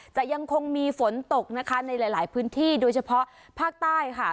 ยังคงมีฝนตกนะคะในหลายพื้นที่โดยเฉพาะภาคใต้ค่ะ